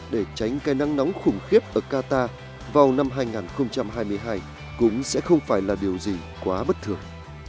để tránh cây nắng nóng khủng khiếp ở qatar vào năm hai nghìn hai mươi hai cũng sẽ không phải là điều gì quá bất thường